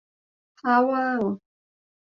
ถ้าว่าง